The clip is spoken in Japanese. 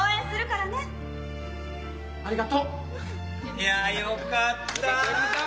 いやよかった。